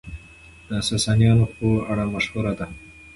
د ساسانيانو په اړه مشهوره ده،